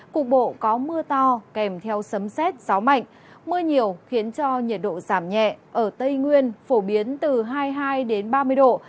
cục bộ có mưa to kèm theo sấm xét gió mạnh mưa nhiều khiến cho nhiệt độ giảm nhẹ ở tây nguyên phổ biến từ hai mươi hai ba mươi độ